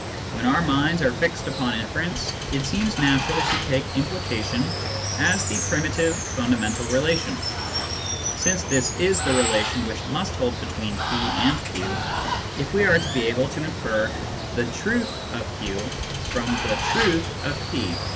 When our minds are fixed upon inference, it seems natural to take " impli cation " as the primitive fundamental relation, since this is the relation which must hold between p and q if we are to be able to infer the truth of q from the truth of p.